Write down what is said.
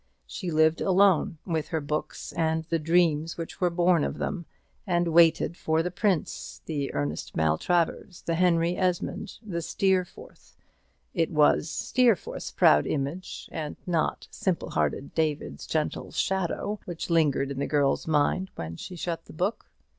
She lived alone with her books and the dreams which were born of them, and waited for the prince, the Ernest Maltravers, the Henry Esmond, the Steerforth it was Steerforth's proud image, and not simple hearted David's gentle shadow, which lingered in the girl's mind when she shut the book.